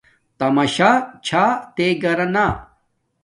تماشا چھا تے گھرانا